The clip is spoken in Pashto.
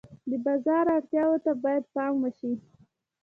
د بازار اړتیاوو ته باید پام وشي.